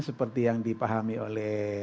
seperti yang dipahami oleh